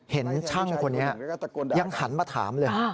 เห็นช่างคนนี้ยังหันมาถามเลย